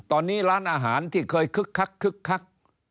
ตอนนี้ร้านอาหารที่เคยคึกคัก